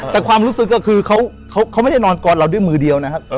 แต่ความรู้สึกก็คือเขาไม่ได้นอนกอดเราด้วยมือเดียวนะครับ